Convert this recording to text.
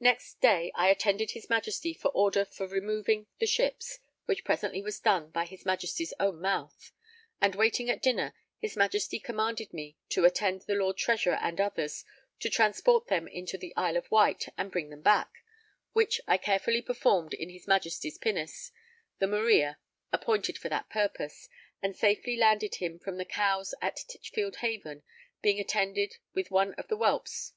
Next day I attended his Majesty for order for removing the ships, which presently was done by his Majesty's own mouth; and waiting at dinner, his Majesty commanded me to attend the Lord Treasurer and others, to transport them into the Isle of Wight and bring them back; which I carefully performed in his Majesty's pinnace, the Maria, appointed for that purpose, and safely landed him from the Cowes at Titchfield Haven, being attended with one of the Whelps.